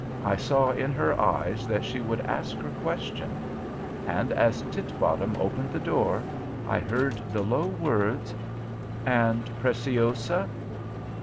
I saw in her eyes that she would ask her question. And as Titbottom opened the door, I heard the low words: "And Preciosa?"